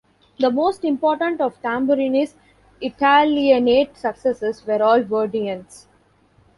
The most important of Tamburini's Italianate successors were all Verdians.